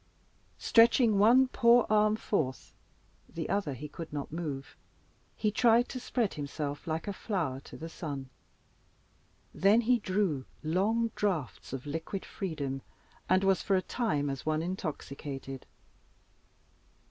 Stretching one poor arm forth the other he could not move he tried to spread himself like a flower to the sun. Then he drew long draughts of liquid freedom, and was for a time as one intoxicated.